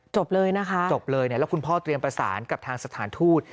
จบเลยนะคะจบเลยเนี่ยแล้วคุณพ่อเตรียมประสานกับทางสถานทูต